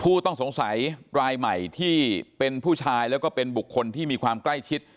ผู้ต้องสงสัยรายใหม่ที่เป็นผู้ชายแล้วก็เป็นบุคคลที่มีความใกล้ชิด